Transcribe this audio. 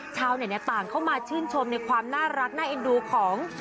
ชาวเน็ตต่างเข้ามาชื่นชมในความน่ารักน่าเอ็นดูของ